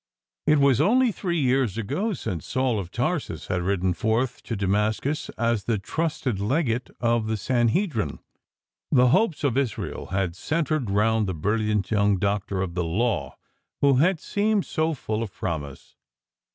It was only three years ago since Saul of Tarsus had ridden forth to Damascus as the trusted legate of the Sanhedrin. The hopes of Israel had centred round the brilliant young doctor of the Law who had seemed so full of promise.